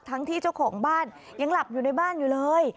ที่เจ้าของบ้านยังหลับอยู่ในบ้านอยู่เลย